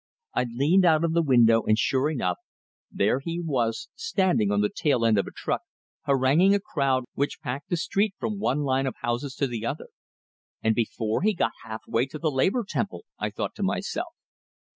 I leaned out of the window, and sure enough, there he was standing on the tail end of a truck, haranguing a crowd which packed the street from one line of houses to the other. "And before he got half way to the Labor Temple!" I thought to myself.